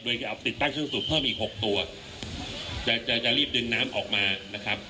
โดยจะเอาติดตั้งเครื่องสูบเพิ่มอีกหกตัวจะจะรีบดึงน้ำออกมานะครับ